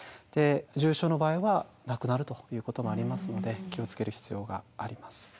重症の場合は亡くなるということもありますので気を付ける必要があります。